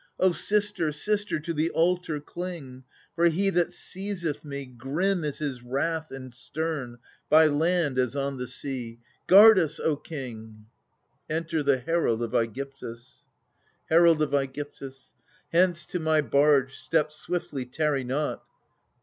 ^' O sister, sister, to the altar cling, "^^^^^4 ilPO'R^^l^ For he that seizeth me, Grim is his wrath and stern, by land as on the sea. !>\ Guard us, O king ! Ejiter the Herald of Mgyvtvs. Herald of ^gyptus. Hence to my barge — step swiftly, tarry not.